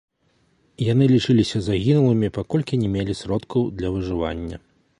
Яны лічыліся загінулымі, паколькі не мелі сродкаў для выжывання.